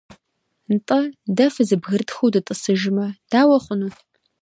НтӀэ, дэ фызэбгрытхыу дытӀысыжмэ, дауэ хъуну?